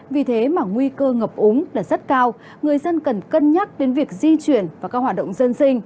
vì thế mà nguy cơ ngập úng là rất cao người dân cần cân nhắc đến việc di chuyển và các hoạt động dân sinh